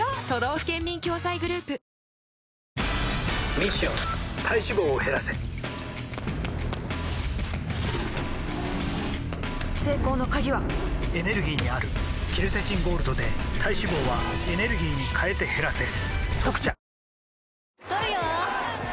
ミッション体脂肪を減らせ成功の鍵はエネルギーにあるケルセチンゴールドで体脂肪はエネルギーに変えて減らせ「特茶」